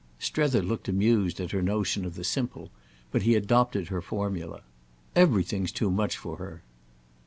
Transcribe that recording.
Strether looked amused at her notion of the simple, but he adopted her formula. "Everything's too much for her."